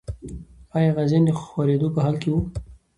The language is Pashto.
آیا غازیان د خورېدو په حال کې وو؟